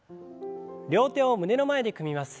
両手を胸の前で組みます。